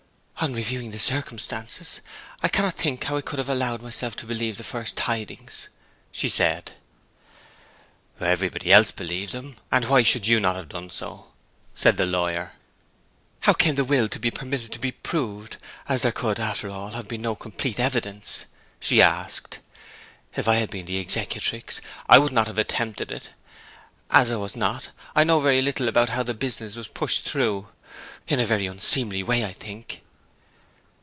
'On reviewing the circumstances, I cannot think how I could have allowed myself to believe the first tidings!' she said. 'Everybody else believed them, and why should you not have done so?' said the lawyer. 'How came the will to be permitted to be proved, as there could, after all, have been no complete evidence?' she asked. 'If I had been the executrix I would not have attempted it! As I was not, I know very little about how the business was pushed through. In a very unseemly way, I think.'